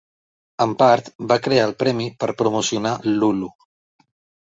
En part, va crear el premi per promocionar Lulu.